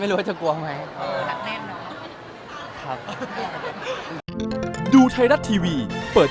ไม่รู้ว่าจะกลัวไหม